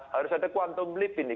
harus ada quantum leap ini